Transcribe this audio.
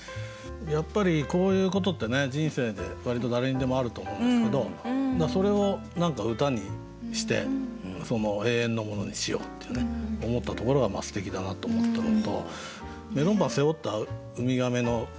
やっぱりこういうことって人生で割と誰にでもあると思うんですけどそれを何か歌にして永遠のものにしようっていうね思ったところがすてきだなと思ったのとメロンパン背負ったウミガメのパンってありますもんね。